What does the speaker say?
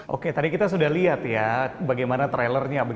oke tadi kita sudah lihat ya bagaimana trailernya